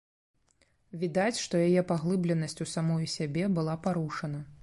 Відаць, што яе паглыбленасць у самую сябе была парушана.